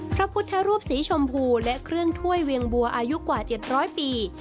พระพุทธรูปสีชมพูและเครื่องถ้วยเวียงบัวอายุกว่า๗๐๐ปี